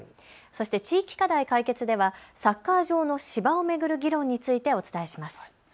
そして地域課題カイケツではサッカー場の芝を巡る議論についてお伝えします。